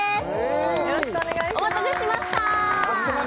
よろしくお願いします